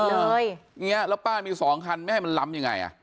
อย่างนี้แล้วป้ามีสองคันไม่ให้มันล้ำยังไงอ่ะ